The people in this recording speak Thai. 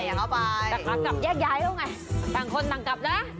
แทบทางยักยายเขาได้ไง